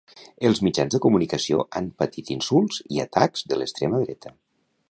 Els mitjans de comunicació han patit insults i atacs de l'extrema dreta.